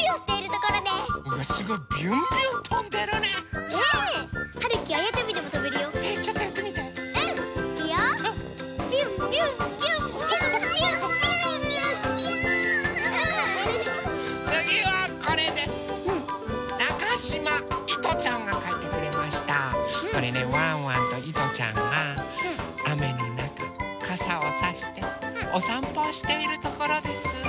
これねワンワンといとちゃんがあめのなかかさをさしておさんぽをしているところです。